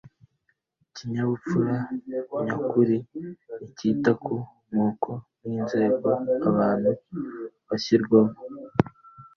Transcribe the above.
Ikinyabupfura nyakuri nticyita ku moko n’inzego abantu bashyirwamo